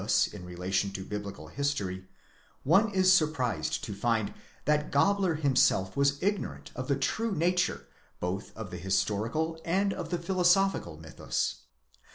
6ι in relation to biblical history, one is surprised to find that Gabler himself was ignorant of the true nature both of the historical and of the philosophical mythus.